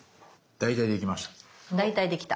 大体できました。